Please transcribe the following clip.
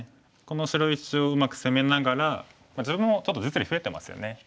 この白石をうまく攻めながら自分もちょっと実利増えてますよね。